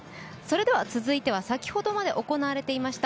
続いては先ほどまで行われていました